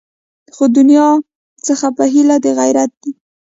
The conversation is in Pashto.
خو دنیا څخه په هیله د خیرات دي